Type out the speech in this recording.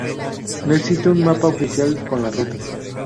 No existe un mapa oficial con las rutas.